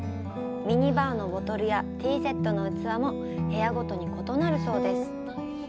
ミニバーのボトルやティーセットの器も部屋ごとに異なるそうです。